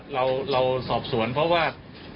เราสอบสวนเพราะว่า